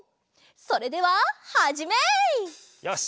それでははじめ！よし！